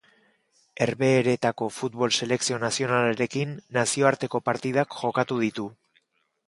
Herbehereetako futbol selekzio nazionalarekin nazioarteko partidak jokatu ditu.